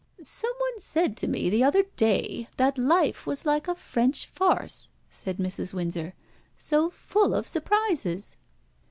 "Some one said to me the other day that life was like a French farce," said Mrs. Windsor "so full of surprises."